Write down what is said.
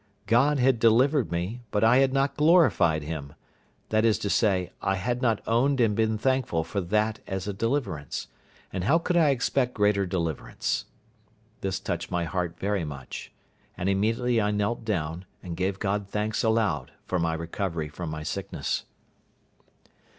God had delivered me, but I had not glorified Him—that is to say, I had not owned and been thankful for that as a deliverance; and how could I expect greater deliverance? This touched my heart very much; and immediately I knelt down and gave God thanks aloud for my recovery from my sickness.